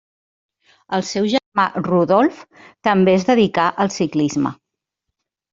El seu germà Rudolf també es dedicà al ciclisme.